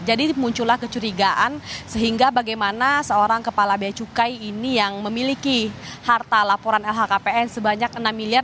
jadi muncullah kecurigaan sehingga bagaimana seorang kepala beacukai ini yang memiliki harta laporan lhkpn sebanyak enam miliar